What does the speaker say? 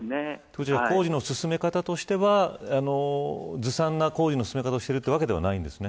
工事の進め方としてはずさんな工事の進め方をしているということではないんですね。